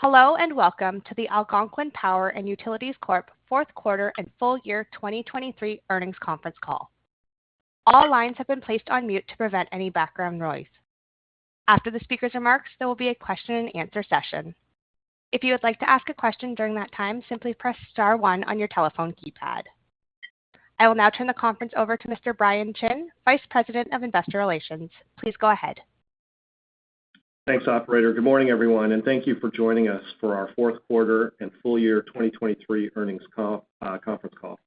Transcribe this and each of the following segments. Hello and welcome to the Algonquin Power & Utilities Corp. fourth quarter and full year 2023 earnings conference call. All lines have been placed on mute to prevent any background noise. After the speaker's remarks, there will be a question-and-answer session. If you would like to ask a question during that time, simply press star 1 on your telephone keypad. I will now turn the conference over to Mr. Brian Chin, Vice President of Investor Relations. Please go ahead. Thanks, Operator. Good morning, everyone, and thank you for joining us for our fourth quarter and full year 2023 earnings conference call.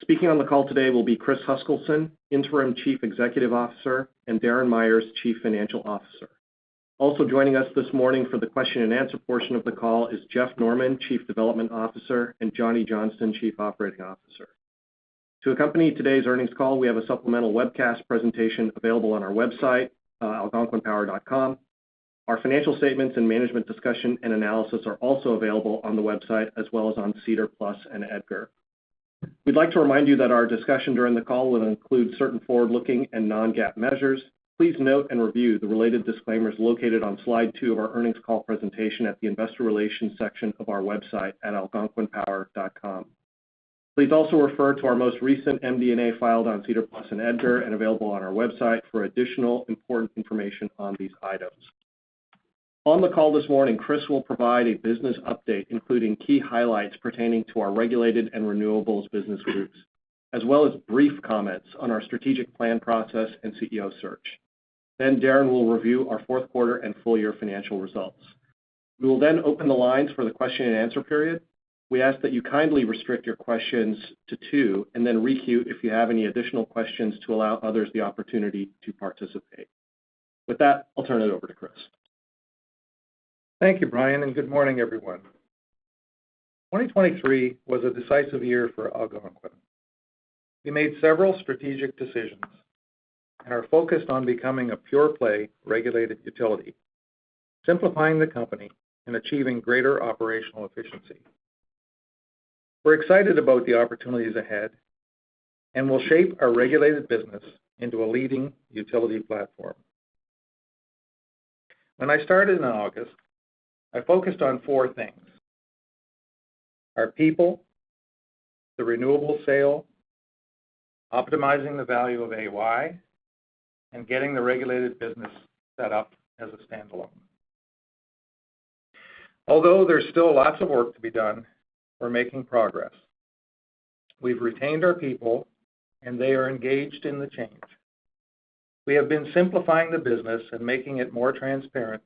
Speaking on the call today will be Chris Huskilson, Interim Chief Executive Officer, and Darren Myers, Chief Financial Officer. Also joining us this morning for the question-and-answer portion of the call is Jeff Norman, Chief Development Officer, and Johnny Johnston, Chief Operating Officer. To accompany today's earnings call, we have a supplemental webcast presentation available on our website, algonquinpower.com. Our financial statements and management discussion and analysis are also available on the website as well as on SEDAR+ and EDGAR. We'd like to remind you that our discussion during the call will include certain forward-looking and non-GAAP measures. Please note and review the related disclaimers located on slide 2 of our earnings call presentation at the Investor Relations section of our website at algonquinpower.com. Please also refer to our most recent MD&A filed on SEDAR+ and EDGAR and available on our website for additional important information on these items. On the call this morning, Chris will provide a business update including key highlights pertaining to our regulated and renewables business groups, as well as brief comments on our strategic plan process and CEO search. Then Darren will review our fourth quarter and full year financial results. We will then open the lines for the question-and-answer period. We ask that you kindly restrict your questions to 2 and then re-queue if you have any additional questions to allow others the opportunity to participate. With that, I'll turn it over to Chris. Thank you, Brian, and good morning, everyone. 2023 was a decisive year for Algonquin. We made several strategic decisions and are focused on becoming a pure-play regulated utility, simplifying the company and achieving greater operational efficiency. We're excited about the opportunities ahead and will shape our regulated business into a leading utility platform. When I started in August, I focused on four things: our people, the renewable sale, optimizing the value of AQN, and getting the regulated business set up as a standalone. Although there's still lots of work to be done, we're making progress. We've retained our people, and they are engaged in the change. We have been simplifying the business and making it more transparent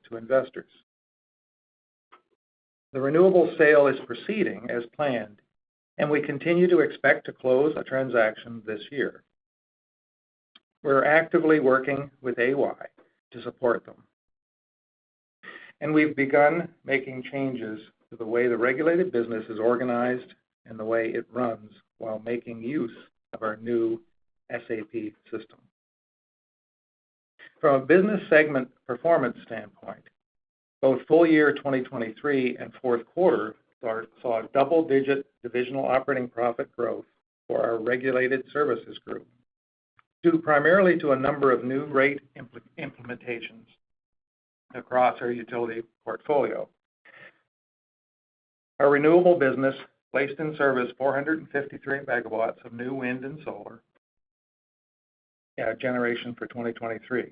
to investors. The renewable sale is proceeding as planned, and we continue to expect to close a transaction this year. We're actively working with AY to support them, and we've begun making changes to the way the regulated business is organized and the way it runs while making use of our new SAP system. From a business segment performance standpoint, both full year 2023 and fourth quarter saw double-digit divisional operating profit growth for our Regulated Services Group, primarily due to a number of new rate implementations across our utility portfolio. Our renewable business placed in service 453 megawatts of new wind and solar generation for 2023.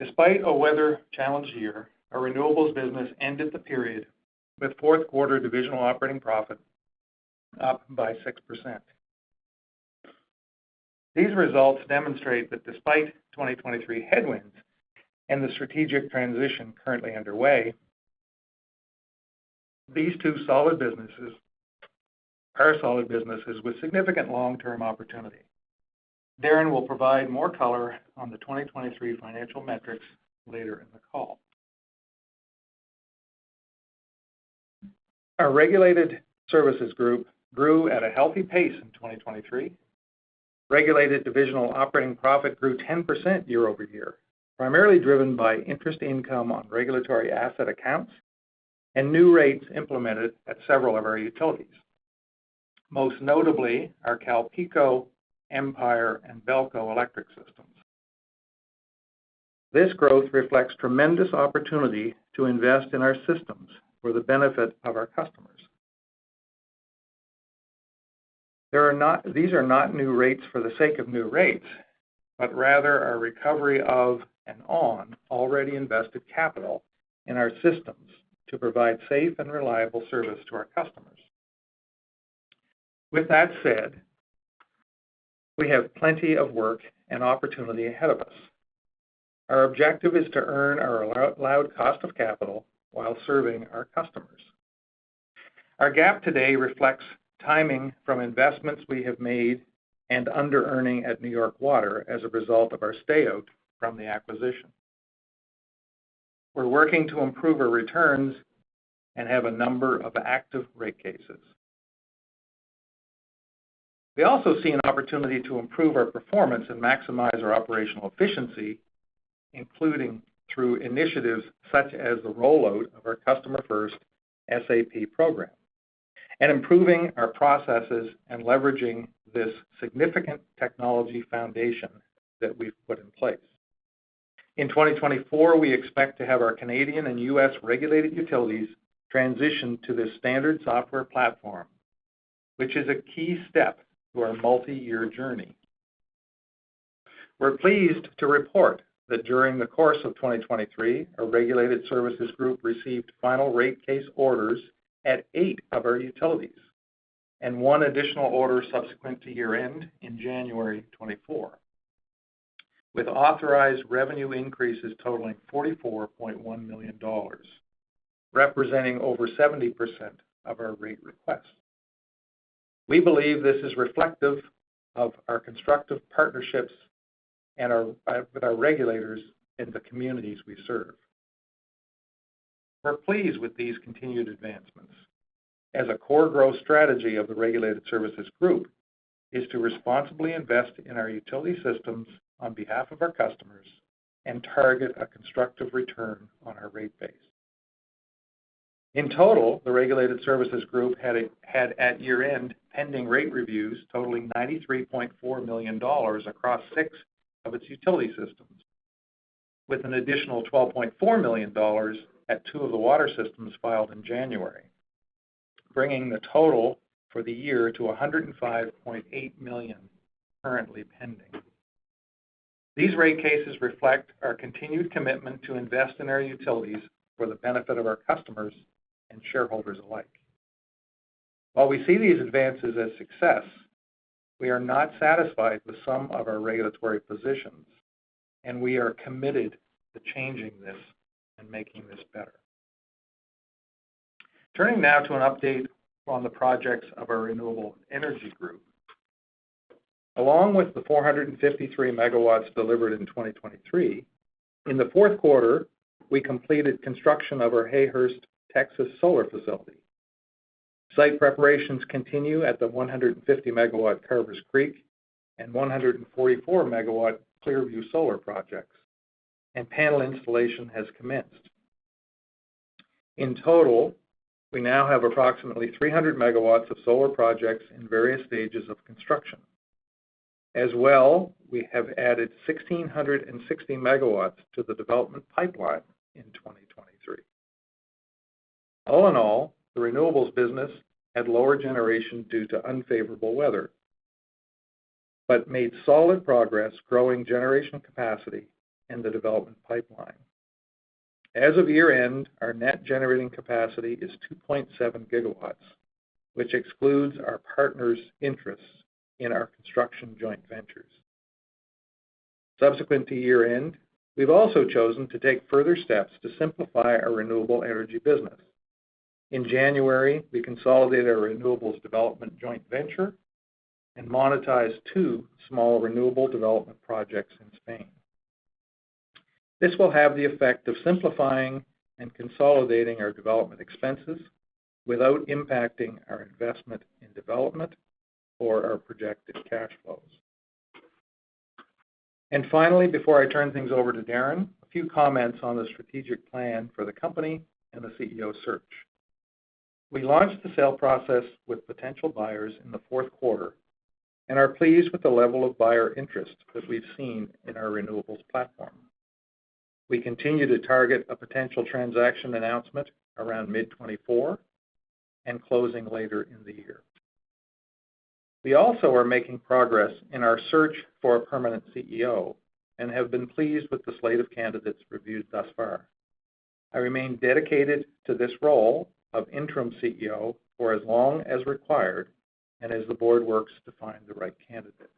Despite a weather-challenged year, our renewables business ended the period with fourth quarter divisional operating profit up by 6%. These results demonstrate that despite 2023 headwinds and the strategic transition currently underway, these two businesses are solid businesses with significant long-term opportunity. Darren will provide more color on the 2023 financial metrics later in the call. Our Regulated Services Group grew at a healthy pace in 2023. Regulated Divisional Operating Profit grew 10% year-over-year, primarily driven by interest income on regulatory asset accounts and new rates implemented at several of our utilities, most notably our CalPeco, Empire, and BELCO electric systems. This growth reflects tremendous opportunity to invest in our systems for the benefit of our customers. These are not new rates for the sake of new rates, but rather our recovery of and on already invested capital in our systems to provide safe and reliable service to our customers. With that said, we have plenty of work and opportunity ahead of us. Our objective is to earn our allowed cost of capital while serving our customers. Our gap today reflects timing from investments we have made and under-earning at New York Water as a result of our stay-out from the acquisition. We're working to improve our returns and have a number of active rate cases. We also see an opportunity to improve our performance and maximize our operational efficiency, including through initiatives such as the rollout of our customer-first SAP program and improving our processes and leveraging this significant technology foundation that we've put in place. In 2024, we expect to have our Canadian and U.S. regulated utilities transition to this standard software platform, which is a key step to our multi-year journey. We're pleased to report that during the course of 2023, our Regulated Services Group received final rate case orders at eight of our utilities and one additional order subsequent to year-end in January 2024, with authorized revenue increases totaling $44.1 million, representing over 70% of our rate requests. We believe this is reflective of our constructive partnerships with our regulators in the communities we serve. We're pleased with these continued advancements, as a core growth strategy of the Regulated Services Group is to responsibly invest in our utility systems on behalf of our customers and target a constructive return on our rate base. In total, the Regulated Services Group had at year-end pending rate reviews totaling $93.4 million across six of its utility systems, with an additional $12.4 million at two of the water systems filed in January, bringing the total for the year to $105.8 million currently pending. These rate cases reflect our continued commitment to invest in our utilities for the benefit of our customers and shareholders alike. While we see these advances as success, we are not satisfied with some of our regulatory positions, and we are committed to changing this and making this better. Turning now to an update on the projects of our Renewable Energy Group. Along with the 453 megawatts delivered in 2023, in the fourth quarter, we completed construction of our Hayhurst, Texas, solar facility. Site preparations continue at the 150-megawatt Carvers Creek and 144-megawatt Clearview solar projects, and panel installation has commenced. In total, we now have approximately 300 megawatts of solar projects in various stages of construction. As well, we have added 1,660 megawatts to the development pipeline in 2023. All in all, the renewables business had lower generation due to unfavorable weather but made solid progress growing generation capacity in the development pipeline. As of year-end, our net generating capacity is 2.7 gigawatts, which excludes our partner's interests in our construction joint ventures. Subsequent to year-end, we've also chosen to take further steps to simplify our renewable energy business. In January, we consolidated our renewables development joint venture and monetized two small renewable development projects in Spain. This will have the effect of simplifying and consolidating our development expenses without impacting our investment in development or our projected cash flows. Finally, before I turn things over to Darren, a few comments on the strategic plan for the company and the CEO search. We launched the sale process with potential buyers in the fourth quarter and are pleased with the level of buyer interest that we've seen in our renewables platform. We continue to target a potential transaction announcement around mid-2024 and closing later in the year. We also are making progress in our search for a permanent CEO and have been pleased with the slate of candidates reviewed thus far. I remain dedicated to this role of interim CEO for as long as required and as the board works to find the right candidate.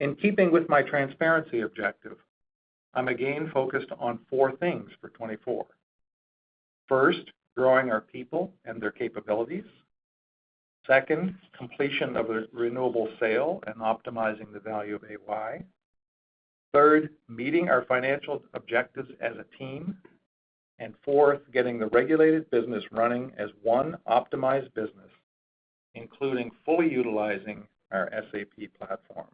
In keeping with my transparency objective, I'm again focused on four things for 2024. First, growing our people and their capabilities. Second, completion of the renewable sale and optimizing the value of AQN. Third, meeting our financial objectives as a team. And fourth, getting the regulated business running as one optimized business, including fully utilizing our SAP platform.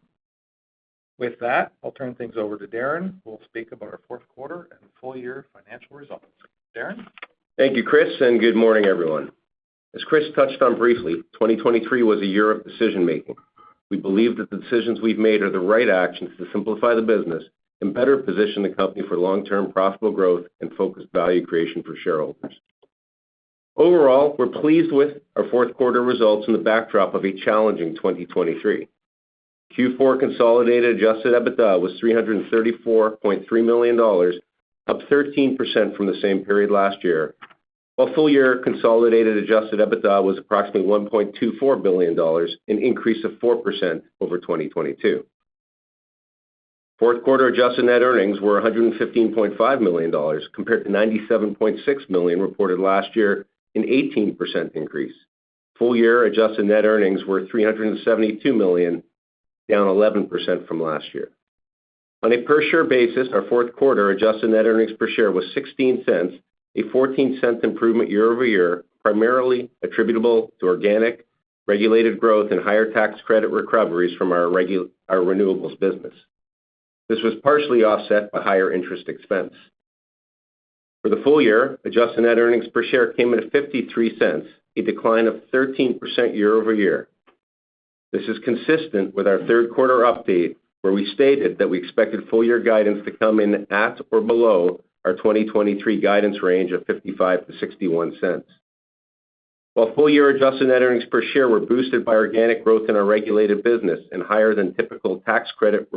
With that, I'll turn things over to Darren, who will speak about our fourth quarter and full year financial results. Darren? Thank you, Chris, and good morning, everyone. As Chris touched on briefly, 2023 was a year of decision-making. We believe that the decisions we've made are the right actions to simplify the business and better position the company for long-term profitable growth and focused value creation for shareholders. Overall, we're pleased with our fourth quarter results in the backdrop of a challenging 2023. Q4 consolidated adjusted EBITDA was $334.3 million, up 13% from the same period last year, while full year consolidated adjusted EBITDA was approximately $1.24 billion, an increase of 4% over 2022. Fourth quarter adjusted net earnings were $115.5 million compared to $97.6 million reported last year, an 18% increase. Full year adjusted net earnings were $372 million, down 11% from last year. On a per-share basis, our fourth quarter Adjusted Net Earnings per share was $0.16, a $0.14 improvement year-over-year, primarily attributable to organic, regulated growth, and higher tax credit recoveries from our renewables business. This was partially offset by higher interest expense. For the full year, Adjusted Net Earnings per share came in at $0.53, a decline of 13% year-over-year. This is consistent with our third quarter update, where we stated that we expected full year guidance to come in at or below our 2023 guidance range of $0.55-$0.61. While full year Adjusted Net Earnings per share were boosted by organic growth in our regulated business and higher than typical tax credit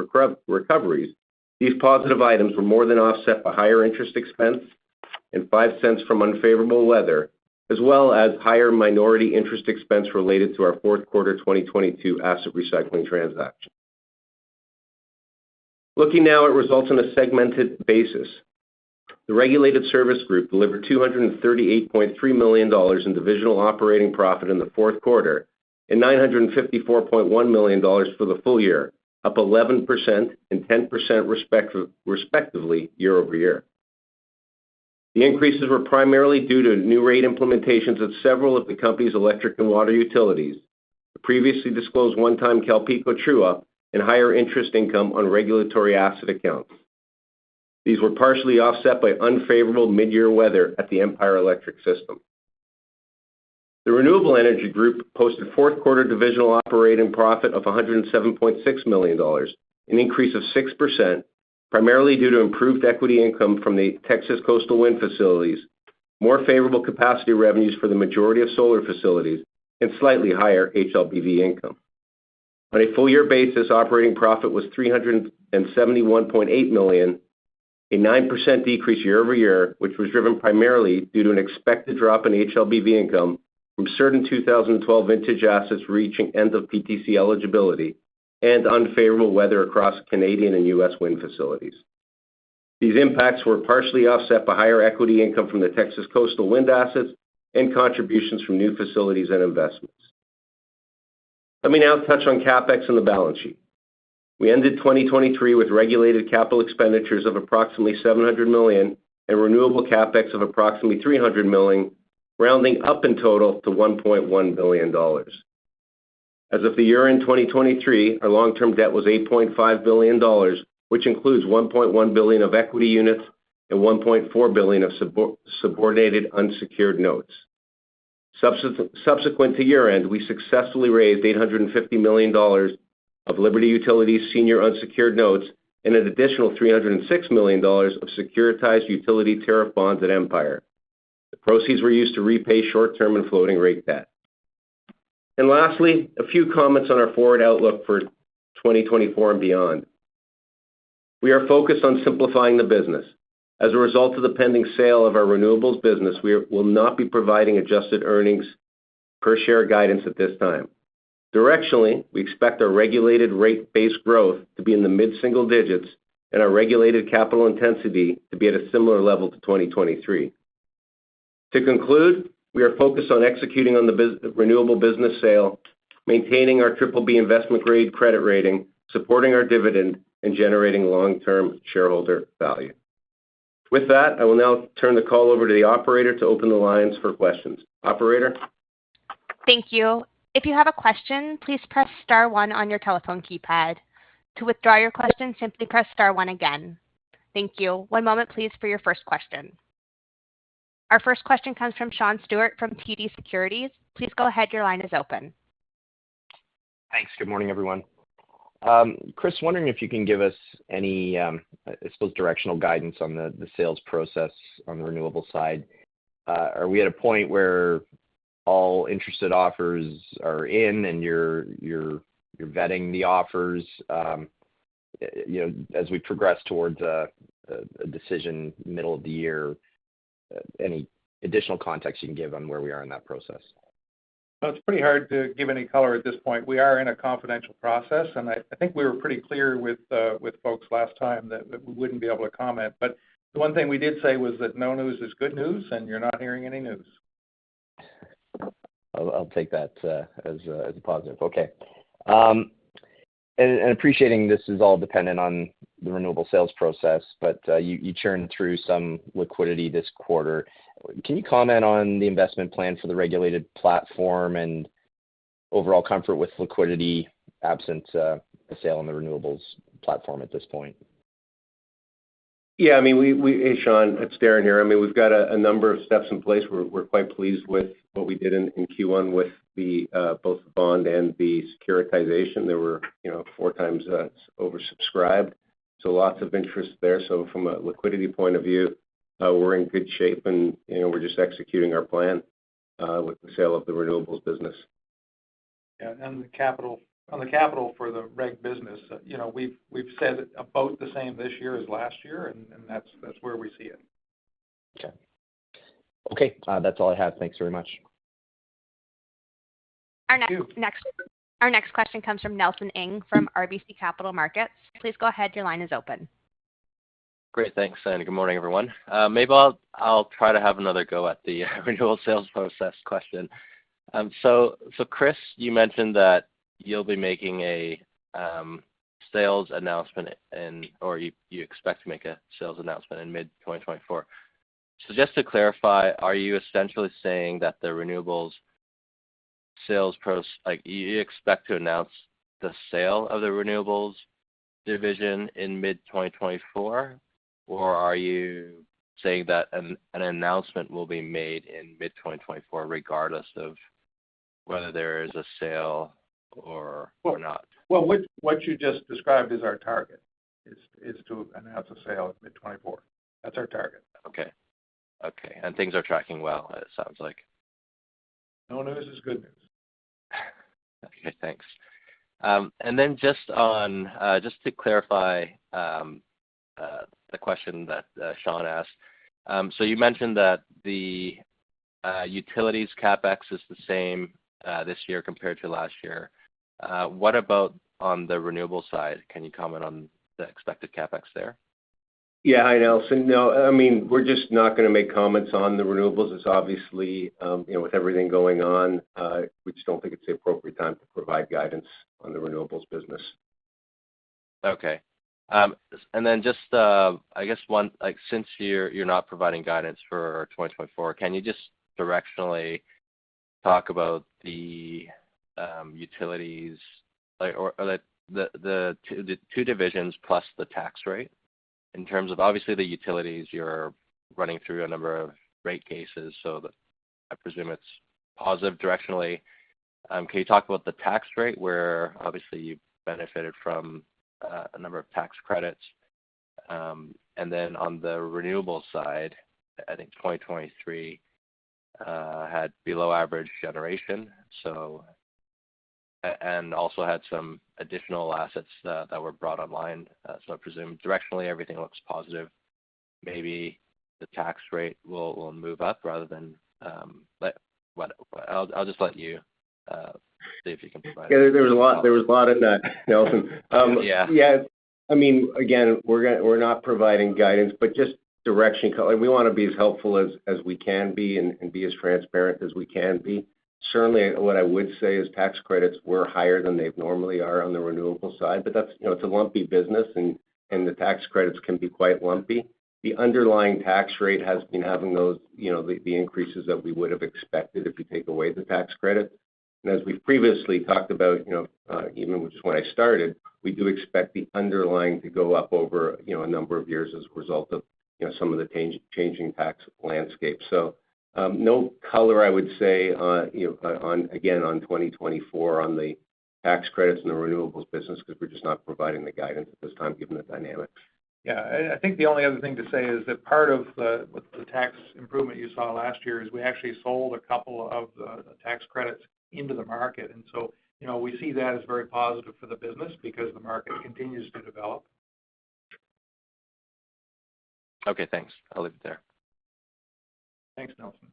recoveries, these positive items were more than offset by higher interest expense and $0.05 from unfavorable weather, as well as higher minority interest expense related to our fourth quarter 2022 asset recycling transaction. Looking now at results on a segmented basis, the regulated service group delivered $238.3 million in divisional operating profit in the fourth quarter and $954.1 million for the full year, up 11% and 10% respectively year over year. The increases were primarily due to new rate implementations at several of the company's electric and water utilities, the previously disclosed one-time CalPeco true-up, and higher interest income on regulatory asset accounts. These were partially offset by unfavorable mid-year weather at the Empire Electric System. The Renewable Energy Group posted fourth quarter divisional operating profit of $107.6 million, an increase of 6%, primarily due to improved equity income from the Texas Coastal Wind facilities, more favorable capacity revenues for the majority of solar facilities, and slightly higher HLBV income. On a full year basis, operating profit was $371.8 million, a 9% decrease year-over-year, which was driven primarily due to an expected drop in HLBV income from certain 2012 vintage assets reaching end-of-PTC eligibility and unfavorable weather across Canadian and U.S. wind facilities. These impacts were partially offset by higher equity income from the Texas Coastal Wind assets and contributions from new facilities and investments. Let me now touch on CapEx and the balance sheet. We ended 2023 with regulated capital expenditures of approximately $700 million and renewable CapEx of approximately $300 million, rounding up in total to $1.1 billion. As of the year-end 2023, our long-term debt was $8.5 billion, which includes $1.1 billion of equity units and $1.4 billion of subordinated unsecured notes. Subsequent to year-end, we successfully raised $850 million of Liberty Utilities senior unsecured notes and an additional $306 million of securitized utility tariff bonds at Empire. The proceeds were used to repay short-term and floating rate debt. And lastly, a few comments on our forward outlook for 2024 and beyond. We are focused on simplifying the business. As a result of the pending sale of our renewables business, we will not be providing adjusted earnings per share guidance at this time. Directionally, we expect our regulated rate-based growth to be in the mid-single digits and our regulated capital intensity to be at a similar level to 2023. To conclude, we are focused on executing on the renewable business sale, maintaining our BBB investment-grade credit rating, supporting our dividend, and generating long-term shareholder value. With that, I will now turn the call over to the operator to open the lines for questions. Operator? Thank you. If you have a question, please press star 1 on your telephone keypad. To withdraw your question, simply press star 1 again. Thank you. One moment, please, for your first question. Our first question comes from Sean Steuart from TD Securities. Please go ahead. Your line is open. Thanks. Good morning, everyone. Chris, wondering if you can give us any, I suppose, directional guidance on the sales process on the renewable side. Are we at a point where all interested offers are in and you're vetting the offers as we progress towards a decision middle of the year? Any additional context you can give on where we are in that process? It's pretty hard to give any color at this point. We are in a confidential process, and I think we were pretty clear with folks last time that we wouldn't be able to comment. But the one thing we did say was that no news is good news, and you're not hearing any news. I'll take that as a positive. Okay. And appreciating this is all dependent on the renewable sales process, but you churned through some liquidity this quarter. Can you comment on the investment plan for the regulated platform and overall comfort with liquidity absence of sale on the renewables platform at this point? Yeah. I mean, Sean, it's Darren here. I mean, we've got a number of steps in place. We're quite pleased with what we did in Q1 with both the bond and the securitization. They were four times oversubscribed, so lots of interest there. So from a liquidity point of view, we're in good shape, and we're just executing our plan with the sale of the renewables business. Yeah. And on the capital for the reg business, we've said about the same this year as last year, and that's where we see it. Okay. Okay. That's all I have. Thanks very much. Our next question comes from Nelson Ng from RBC Capital Markets. Please go ahead. Your line is open. Great. Thanks, Sean. Good morning, everyone. Maybe I'll try to have another go at the renewable sales process question. So Chris, you mentioned that you'll be making a sales announcement or you expect to make a sales announcement in mid-2024. So just to clarify, are you essentially saying that the renewables sales you expect to announce the sale of the renewables division in mid-2024, or are you saying that an announcement will be made in mid-2024 regardless of whether there is a sale or not? Well, what you just described is our target, is to announce a sale in mid-2024. That's our target. Okay. Okay. And things are tracking well, it sounds like. No news is good news. Okay. Thanks. And then just to clarify the question that Sean asked, so you mentioned that the utilities CapEx is the same this year compared to last year. What about on the renewable side? Can you comment on the expected CapEx there? Yeah. Hi, Nelson. No. I mean, we're just not going to make comments on the renewables. It's obviously, with everything going on, we just don't think it's the appropriate time to provide guidance on the renewables business. Okay. And then just, I guess, since you're not providing guidance for 2024, can you just directionally talk about the utilities or the two divisions plus the tax rate in terms of obviously, the utilities, you're running through a number of rate cases, so I presume it's positive directionally. Can you talk about the tax rate, where obviously, you've benefited from a number of tax credits? And then on the renewable side, I think 2023 had below-average generation and also had some additional assets that were brought online. So I presume directionally, everything looks positive. Maybe the tax rate will move up rather than. I'll just let you see if you can provide a comment. Yeah. There was a lot in that, Nelson. Yeah. I mean, again, we're not providing guidance, but just direction. We want to be as helpful as we can be and be as transparent as we can be. Certainly, what I would say is tax credits were higher than they normally are on the renewable side, but it's a lumpy business, and the tax credits can be quite lumpy. The underlying tax rate has been having the increases that we would have expected if you take away the tax credit. And as we've previously talked about, even just when I started, we do expect the underlying to go up over a number of years as a result of some of the changing tax landscape. No color, I would say, again, on 2024 on the tax credits and the renewables business because we're just not providing the guidance at this time given the dynamics. Yeah. I think the only other thing to say is that part of the tax improvement you saw last year is we actually sold a couple of the tax credits into the market. And so we see that as very positive for the business because the market continues to develop. Okay. Thanks. I'll leave it there. Thanks, Nelson.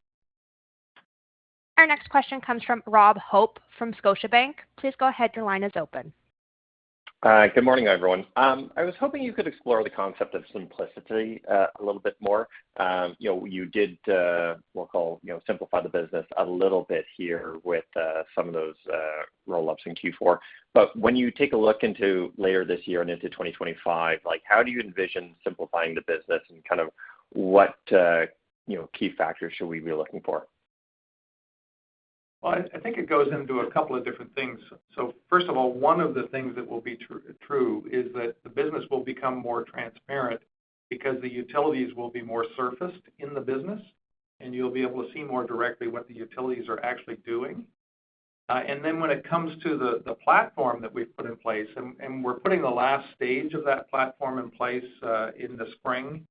Our next question comes from Rob Hope from Scotiabank. Please go ahead. Your line is open. Good morning, everyone. I was hoping you could explore the concept of simplicity a little bit more. You did, what we'll call, simplify the business a little bit here with some of those roll-ups in Q4. But when you take a look later this year and into 2025, how do you envision simplifying the business, and kind of what key factors should we be looking for? Well, I think it goes into a couple of different things. So first of all, one of the things that will be true is that the business will become more transparent because the utilities will be more surfaced in the business, and you'll be able to see more directly what the utilities are actually doing. And then when it comes to the platform that we've put in place and we're putting the last stage of that platform in place in the spring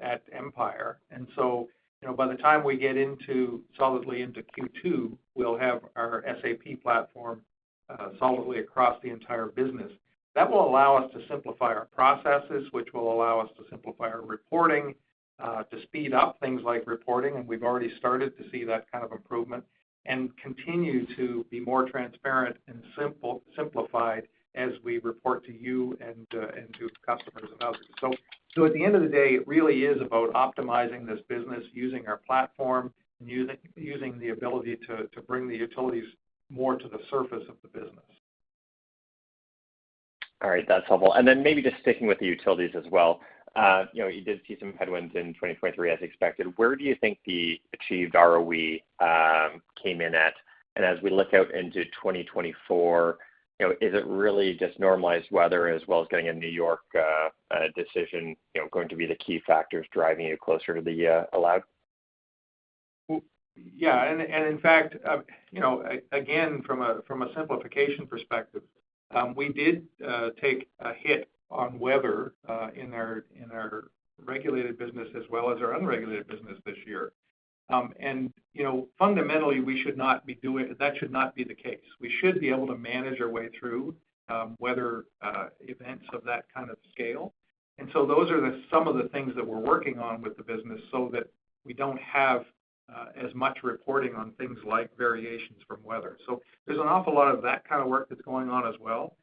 at Empire. And so by the time we get solidly into Q2, we'll have our SAP platform solidly across the entire business. That will allow us to simplify our processes, which will allow us to simplify our reporting, to speed up things like reporting - and we've already started to see that kind of improvement - and continue to be more transparent and simplified as we report to you and to customers and others. So at the end of the day, it really is about optimizing this business, using our platform, and using the ability to bring the utilities more to the surface of the business. All right. That's helpful. And then maybe just sticking with the utilities as well, you did see some headwinds in 2023 as expected. Where do you think the achieved ROE came in at? And as we look out into 2024, is it really just normalized weather as well as getting a New York decision going to be the key factors driving you closer to the allowed? Yeah. And in fact, again, from a simplification perspective, we did take a hit on weather in our regulated business as well as our unregulated business this year. And fundamentally, we should not be doing that. That should not be the case. We should be able to manage our way through weather events of that kind of scale. And so those are some of the things that we're working on with the business so that we don't have as much reporting on things like variations from weather. So there's an awful lot of that kind of work that's going on as well.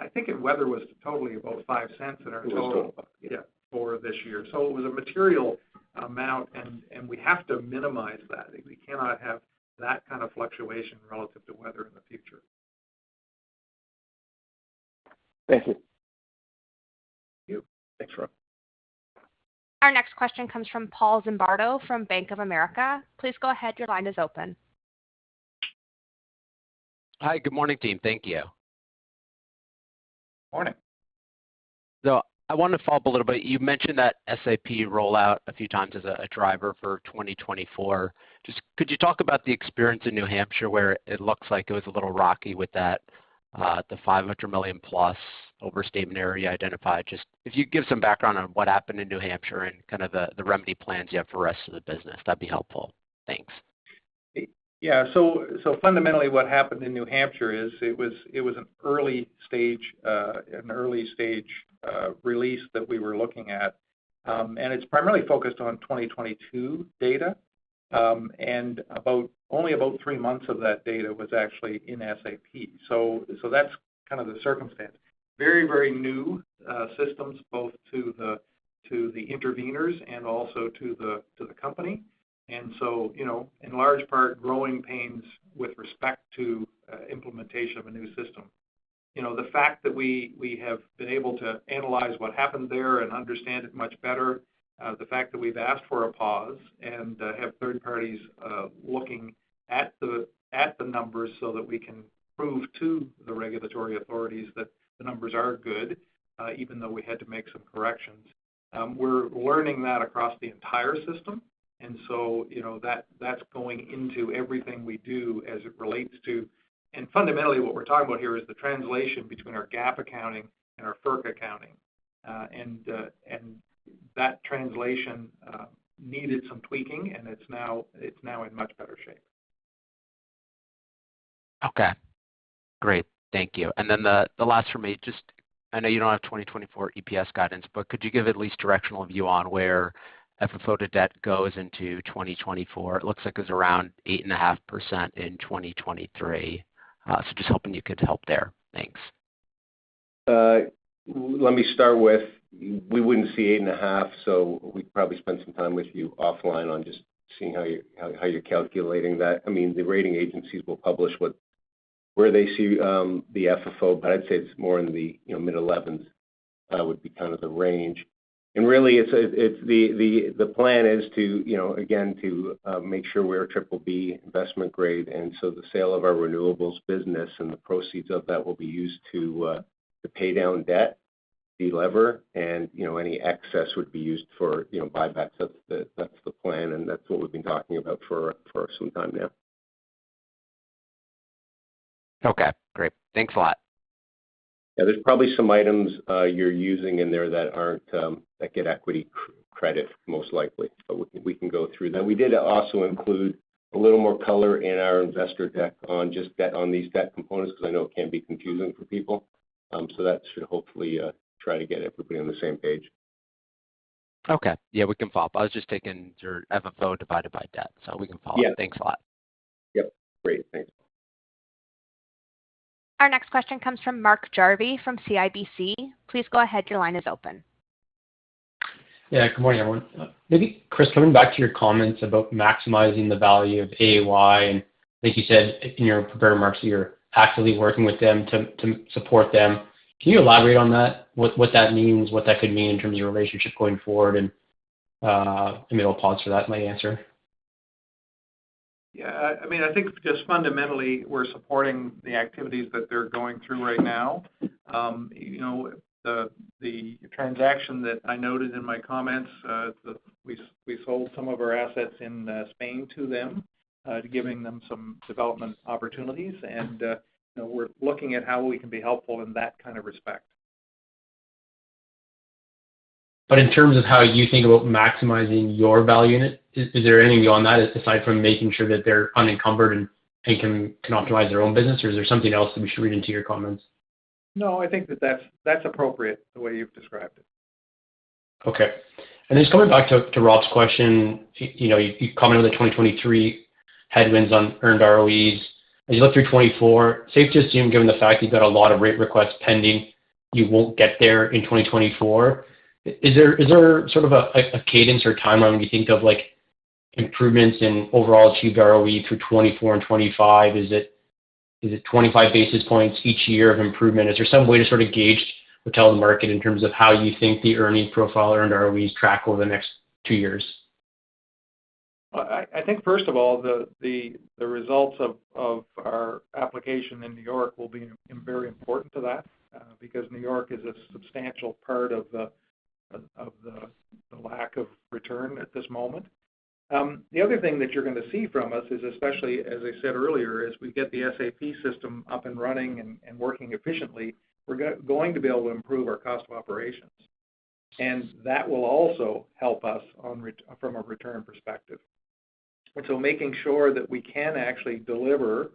I think weather was totally about $0.05 in our total. It was total. Yeah. For this year. So it was a material amount, and we have to minimize that. We cannot have that kind of fluctuation relative to weather in the future. Thank you. Thank you. Thanks, Rob. Our next question comes from Paul Zimbardo from Bank of America. Please go ahead. Your line is open. Hi. Good morning, team. Thank you. Good morning. So I want to follow up a little bit. You mentioned that SAP rollout a few times as a driver for 2024. Just could you talk about the experience in New Hampshire where it looks like it was a little rocky with the $500 million-plus overstayment area identified? Just if you could give some background on what happened in New Hampshire and kind of the remedy plans you have for the rest of the business, that'd be helpful. Thanks. Yeah. So fundamentally, what happened in New Hampshire is it was an early stage, an early stage release that we were looking at. It's primarily focused on 2022 data, and only about three months of that data was actually in SAP. So that's kind of the circumstance. Very, very new systems, both to the intervenors and also to the company. In large part, growing pains with respect to implementation of a new system. The fact that we have been able to analyze what happened there and understand it much better, the fact that we've asked for a pause and have third parties looking at the numbers so that we can prove to the regulatory authorities that the numbers are good, even though we had to make some corrections. We're learning that across the entire system. So that's going into everything we do as it relates to, and fundamentally, what we're talking about here is the translation between our GAAP accounting and our FERC accounting. That translation needed some tweaking, and it's now in much better shape. Okay. Great. Thank you. And then the last for me, just I know you don't have 2024 EPS guidance, but could you give at least a directional view on where FFO to debt goes into 2024? It looks like it was around 8.5% in 2023. So just hoping you could help there. Thanks. Let me start with, we wouldn't see 8.5, so we'd probably spend some time with you offline on just seeing how you're calculating that. I mean, the rating agencies will publish where they see the FFO, but I'd say it's more in the mid-11s, would be kind of the range. And really, the plan is, again, to make sure we're BBB investment grade. And so the sale of our renewables business and the proceeds of that will be used to pay down debt, de-lever, and any excess would be used for buybacks. That's the plan, and that's what we've been talking about for some time now. Okay. Great. Thanks a lot. Yeah. There's probably some items you're using in there that get equity credit most likely, but we can go through that. We did also include a little more color in our investor deck on these debt components because I know it can be confusing for people. That should hopefully try to get everybody on the same page. Okay. Yeah. We can follow up. I was just taking your FFO divided by debt, so we can follow up. Thanks a lot. Yep. Great. Thanks. Our next question comes from Mark Jarvi from CIBC. Please go ahead. Your line is open. Yeah. Good morning, everyone. Maybe Chris, coming back to your comments about maximizing the value of AY, and I think you said in your prepared remarks that you're actively working with them to support them. Can you elaborate on that, what that could mean in terms of your relationship going forward? And I mean, I'll pause for that in my answer. Yeah. I mean, I think just fundamentally, we're supporting the activities that they're going through right now. The transaction that I noted in my comments, we sold some of our assets in Spain to them, giving them some development opportunities. And we're looking at how we can be helpful in that kind of respect. But in terms of how you think about maximizing your value unit, is there anything beyond that aside from making sure that they're unencumbered and can optimize their own business, or is there something else that we should read into your comments? No. I think that that's appropriate, the way you've described it. Okay. And then just coming back to Rob's question, you commented on the 2023 headwinds on earned ROEs. As you look through 2024, safe to assume, given the fact you've got a lot of rate requests pending, you won't get there in 2024. Is there sort of a cadence or timeline when you think of improvements in overall achieved ROE through 2024 and 2025? Is it 25 basis points each year of improvement? Is there some way to sort of gauge or tell the market in terms of how you think the earning profile earned ROEs track over the next two years? Well, I think, first of all, the results of our application in New York will be very important to that because New York is a substantial part of the lack of return at this moment. The other thing that you're going to see from us is, especially, as I said earlier, as we get the SAP system up and running and working efficiently, we're going to be able to improve our cost of operations. And that will also help us from a return perspective. And so making sure that we can actually deliver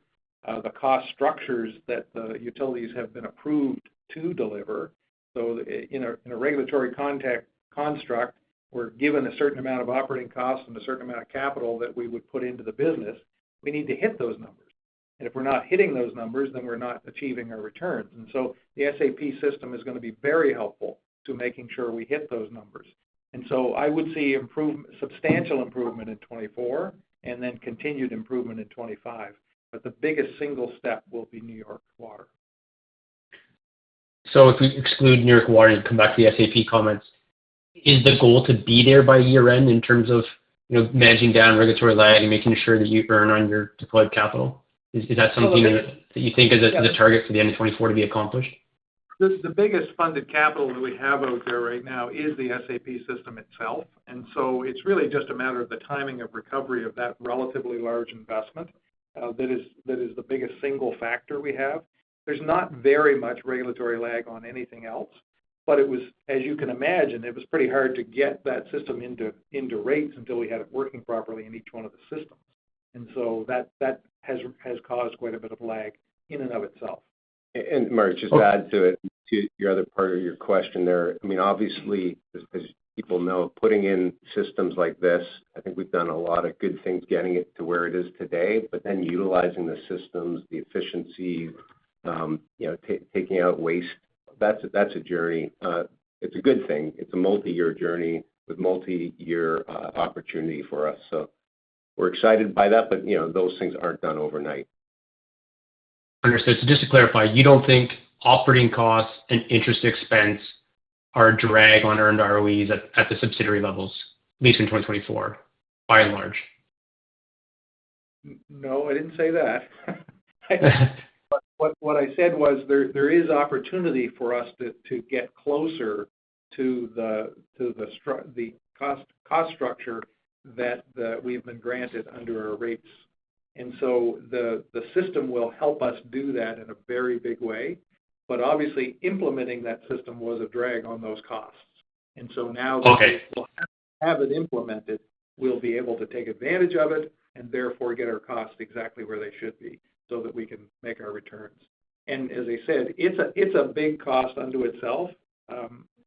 the cost structures that the utilities have been approved to deliver. So in a regulatory construct, we're given a certain amount of operating costs and a certain amount of capital that we would put into the business. We need to hit those numbers. And if we're not hitting those numbers, then we're not achieving our returns. And so the SAP system is going to be very helpful to making sure we hit those numbers. And so I would see substantial improvement in 2024 and then continued improvement in 2025. But the biggest single step will be New York Water. If we exclude New York Water and come back to the SAP comments, is the goal to be there by year-end in terms of managing down regulatory lag and making sure that you earn on your deployed capital? Is that something that you think is a target for the end of 2024 to be accomplished? The biggest funded capital that we have out there right now is the SAP system itself. So it's really just a matter of the timing of recovery of that relatively large investment that is the biggest single factor we have. There's not very much regulatory lag on anything else, but as you can imagine, it was pretty hard to get that system into rates until we had it working properly in each one of the systems. So that has caused quite a bit of lag in and of itself. And Mark, just to add to your other part of your question there, I mean, obviously, as people know, putting in systems like this I think we've done a lot of good things getting it to where it is today. But then utilizing the systems, the efficiencies, taking out waste, that's a journey. It's a good thing. It's a multi-year journey with multi-year opportunity for us. So we're excited by that, but those things aren't done overnight. Understood. So just to clarify, you don't think operating costs and interest expense are a drag on earned ROEs at the subsidiary levels, at least in 2024, by and large? No. I didn't say that. What I said was there is opportunity for us to get closer to the cost structure that we've been granted under our rates. And so the system will help us do that in a very big way. But obviously, implementing that system was a drag on those costs. And so now that we'll have it implemented, we'll be able to take advantage of it and therefore get our costs exactly where they should be so that we can make our returns. And as I said, it's a big cost unto itself.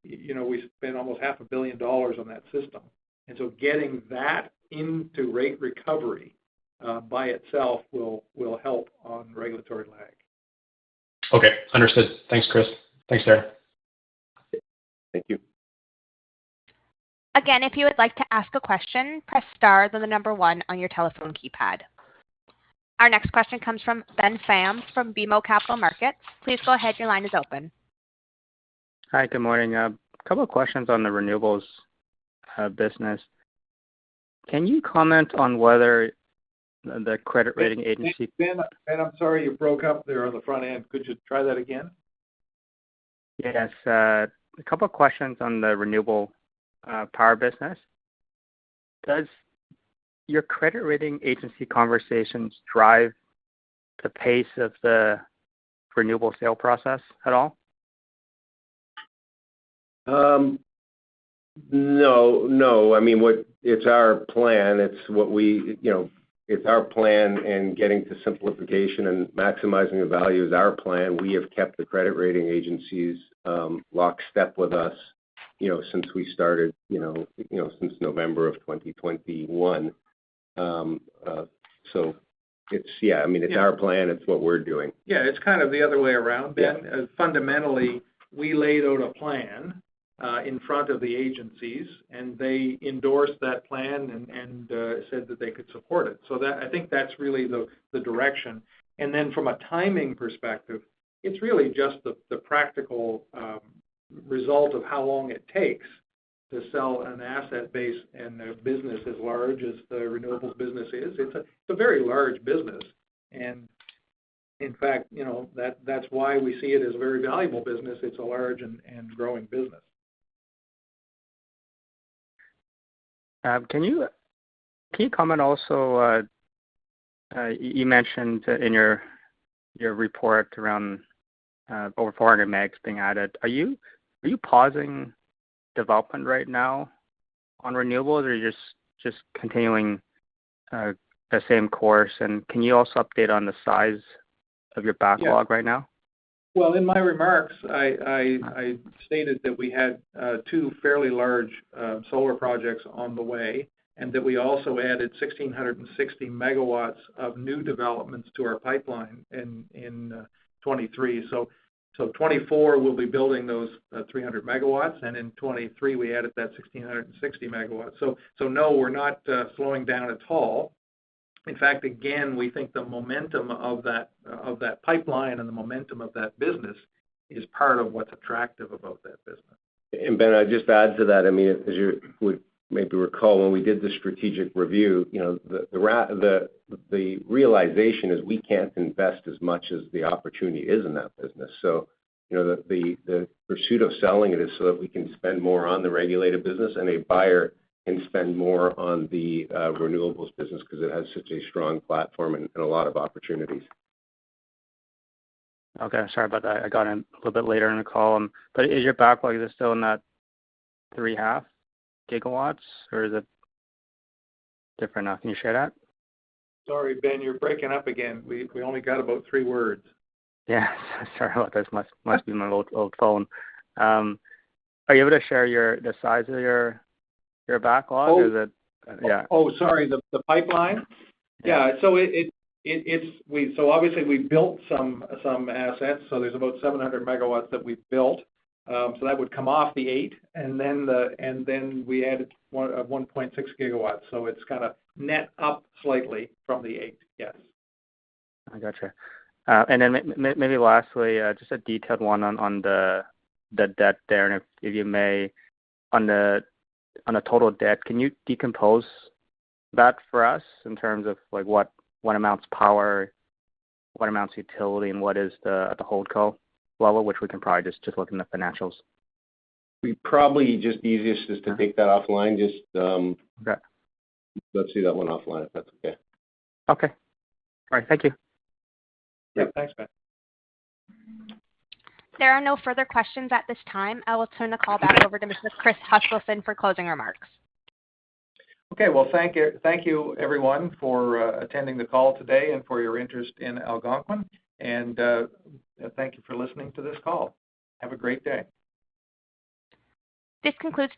We spent almost $500 million on that system. And so getting that into rate recovery by itself will help on regulatory lag. Okay. Understood. Thanks, Chris. Thanks, Darren. Thank you. Again, if you would like to ask a question, press star then the number one on your telephone keypad. Our next question comes from Ben Pham from BMO Capital Markets. Please go ahead. Your line is open. Hi. Good morning. A couple of questions on the renewables business. Can you comment on whether the credit rating agency. Ben, I'm sorry. You broke up there on the front end. Could you try that again? Yes. A couple of questions on the renewable power business. Does your credit rating agency conversations drive the pace of the renewable sale process at all? No. No. I mean, it's our plan. It's our plan, and getting to simplification and maximizing the value is our plan. We have kept the credit rating agencies lockstep with us since November of 2021. So yeah. I mean, it's our plan. It's what we're doing. Yeah. It's kind of the other way around, Ben. Fundamentally, we laid out a plan in front of the agencies, and they endorsed that plan and said that they could support it. So I think that's really the direction. And then from a timing perspective, it's really just the practical result of how long it takes to sell an asset base and a business as large as the renewables business is. It's a very large business. And in fact, that's why we see it as a very valuable business. It's a large and growing business. Can you comment also? You mentioned in your report around over 400 megs being added. Are you pausing development right now on renewables, or are you just continuing the same course? And can you also update on the size of your backlog right now? Well, in my remarks, I stated that we had two fairly large solar projects on the way and that we also added 1,660 megawatts of new developments to our pipeline in 2023. So 2024, we'll be building those 300 megawatts, and in 2023, we added that 1,660 megawatts. So no, we're not slowing down at all. In fact, again, we think the momentum of that pipeline and the momentum of that business is part of what's attractive about that business. Ben, I'd just add to that. I mean, as you would maybe recall, when we did the strategic review, the realization is we can't invest as much as the opportunity is in that business. So the pursuit of selling it is so that we can spend more on the regulated business and a buyer can spend more on the renewables business because it has such a strong platform and a lot of opportunities. Okay. Sorry about that. I got in a little bit later in the call. But is your backlog still in that 3.5 gigawatts, or is it different now? Can you share that? Sorry, Ben. You're breaking up again. We only got about three words. Yes. Sorry about this. Must be my old phone. Are you able to share the size of your backlog, or is it? Oh, sorry. The pipeline? Yeah. So obviously, we built some assets. So there's about 700 MW that we built. So that would come off the 8 GW, and then we added 1.6 GW. So it's kind of net up slightly from the 8 GW. Yes. I gotcha. And then maybe lastly, just a detailed one on the debt there. And if you may, on the total debt, can you decompose that for us in terms of what amounts power, what amounts utility, and what is at the holdco level, which we can probably just look in the financials? Probably just easiest is to take that offline. Let's see that one offline if that's okay. Okay. All right. Thank you. Yep. Thanks, Ben. There are no further questions at this time. I will turn the call back over to Mr. Chris Huskilson for closing remarks. Okay. Well, thank you, everyone, for attending the call today and for your interest in Algonquin. Thank you for listening to this call. Have a great day. This concludes.